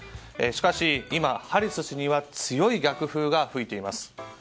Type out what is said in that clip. しかし、今ハリス氏には強い逆風が吹いています。